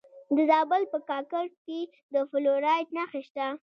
د زابل په کاکړ کې د فلورایټ نښې شته.